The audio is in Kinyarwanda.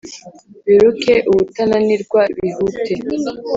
biruke ubutananirwa; bihute,